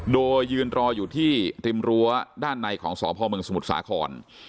โดยยืนรออยู่ที่ริมรั้วด้านในของสพเมืองสมุทรสาคร